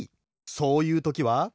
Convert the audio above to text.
そういうときは。